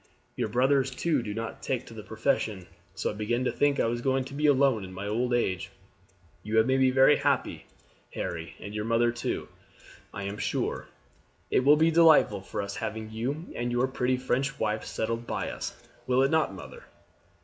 Your brothers, too, do not take to the profession, so I began to think I was going to be alone in my old age. You have made me very happy, Harry, and your mother too, I am sure. It will be delightful for us having you and your pretty French wife settled by us; will it not, mother?"